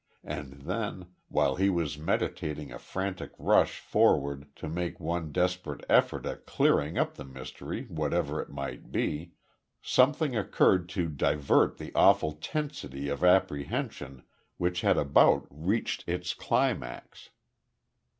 And then, while he was meditating a frantic rush forward to make one desperate effort at clearing up the mystery whatever it might be, something occurred to divert the awful tensity of apprehension which had about reached its climax.